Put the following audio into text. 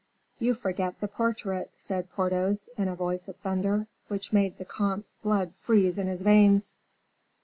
"You forget the portrait," said Porthos, in a voice of thunder, which made the comte's blood freeze in his veins.